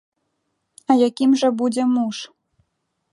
А якім жа будзе муж?